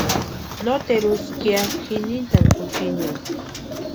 Nóteru úska ya ji nintʼani juchinio.